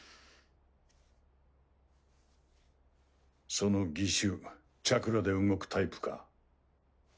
その義手チャクラで動くタイプか？